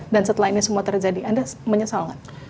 dan setelah ini semua terjadi anda menyesal nggak